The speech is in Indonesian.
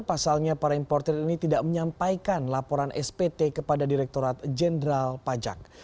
pasalnya para importer ini tidak menyampaikan laporan spt kepada direkturat jenderal pajak